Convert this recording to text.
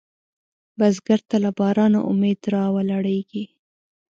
بزګر ته له بارانه امید راولاړېږي